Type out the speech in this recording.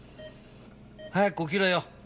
早く起きろよ！